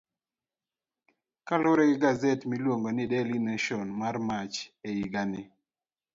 Kaluwore gi gaset miluongo ni Daily Nation mar Mach , e higani.